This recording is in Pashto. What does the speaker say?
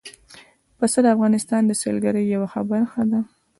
پسه د افغانستان د سیلګرۍ یوه ښه برخه ده.